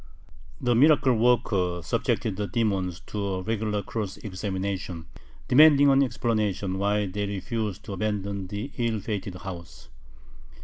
The miracle worker subjected the demons to a regular cross examination, demanding an explanation why they refused to abandon the ill fated house.